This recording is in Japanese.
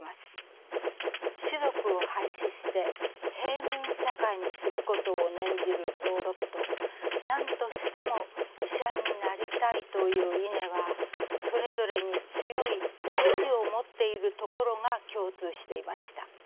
「士族を廃止して平民社会にすること」を念じる蔵六と何としても医者になりたいというイネはそれぞれに強い意志を持っているところが共通していました。